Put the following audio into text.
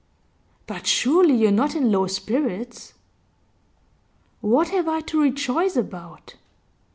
'But surely you're not in low spirits?' 'What have I to rejoice about?